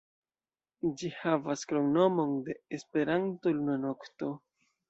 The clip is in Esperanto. Ĝi havas kromnomon de Esperanto, "Luna Nokto".